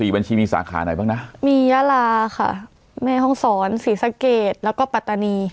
๔บัญชีมีสาขาหน่อยบ้างนะมียาราค่ะแม่ห้องสอนศีรสักเกตแล้วก็ปัตตานี